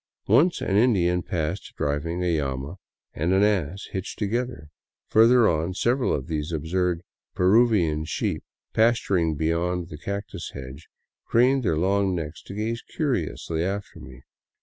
Once an Indian passed driving a llama and an ass hitched together ; further on several of these absurd " Peruvian sheep," pasturing beyond the cactus hedge, craned their long necks to gaze curiously after me.